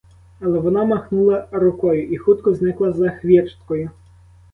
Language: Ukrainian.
Але вона махнула рукою і хутко зникла за хвірткою.